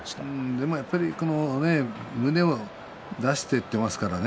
でも、やっぱり胸を出していっていますからね